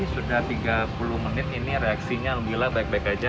sudah tiga puluh menit ini reaksinya alhamdulillah baik baik aja